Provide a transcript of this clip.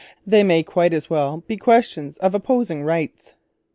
They may quite as well be questions of opposing rights.